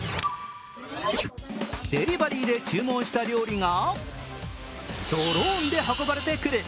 デリバリーで注文した料理がドローンで運ばれてくる。